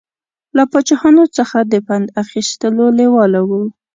له پاچاهانو څخه د پند اخیستلو لېواله و.